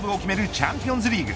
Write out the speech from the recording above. チャンピオンズリーグ。